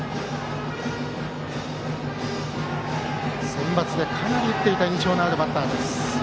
センバツでかなり打っていた印象のあるバッターです。